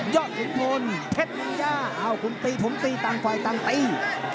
ยอดขุนโพนเพชรเมืองย่าเอาขุนตีถุงตีต่างฝ่ายต่างตี